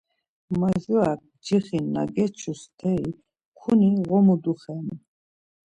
Majuras mcixi na geçu steri kuni ğomu duxenu.